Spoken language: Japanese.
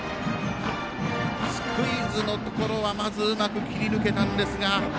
スクイズのところはまず、うまく切り抜けたんですが。